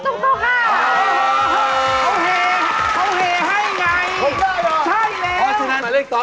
ครับพี่แกะก่อนก็ได้นะเดี๋ยวก่อนนะ